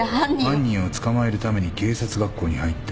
犯人を捕まえるために警察学校に入った。